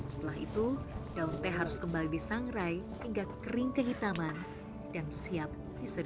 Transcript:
setelah itu daun teh harus kembali disangrai hingga kering kehitaman dan siap disediakan